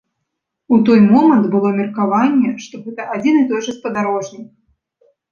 У той момант было меркаванне, што гэта адзін і той жа спадарожнік.